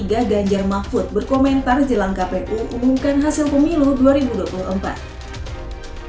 ganjar mahfud berkomentar jelang kpu umumkan hasil pemilu dua ribu dua puluh empat